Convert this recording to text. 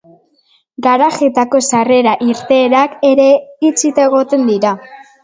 Garajeetako sarrera-irteerak ere itxita egongo dira.